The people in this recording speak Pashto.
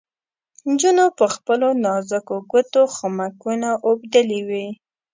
نجونو په خپلو نازکو ګوتو خامکونه اوبدلې وې.